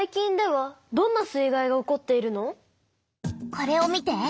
これを見て。